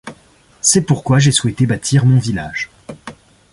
C'est pourquoi j'ai souhaité bâtir mon village.